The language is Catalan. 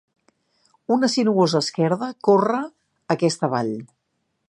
Una sinuosa esquerda corre aquesta vall.